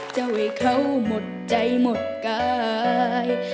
เจ้าให้เขาหมดใจหมดกาย